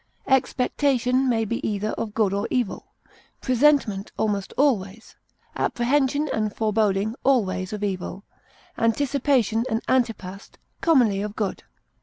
Expectation may be either of good or evil; presentiment almost always, apprehension and foreboding always, of evil; anticipation and antepast, commonly of good.